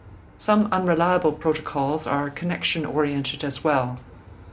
Some unreliable protocols are connection-oriented as well.